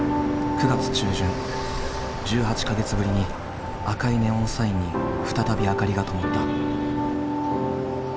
９月中旬１８か月ぶりに赤いネオンサインに再び明かりが灯った。